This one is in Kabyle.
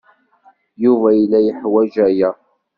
Yuba yella yeḥwaj aya.